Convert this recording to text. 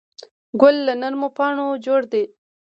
ګل له نرمو پاڼو جوړ دی.